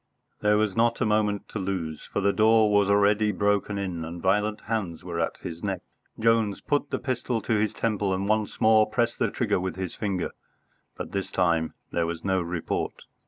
There was not a moment to lose, for the door was already broken in and violent hands were at his neck. Jones put the pistol to his temple and once more pressed the trigger with his finger. But this time there was no report.